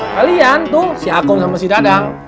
kalian tuh si akong sama si dadang